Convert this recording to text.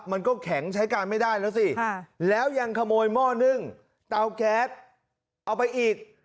มันก็แข็งใช้การไม่ได้แล้วสิแล้วยังขโมยหม้อนึ่งเตาแก๊สเอาไปอีก